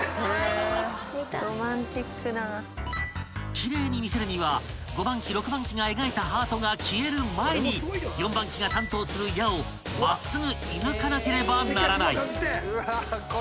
［奇麗に見せるには５番機６番機が描いたハートが消える前に４番機が担当する矢を真っすぐ射抜かなければならない］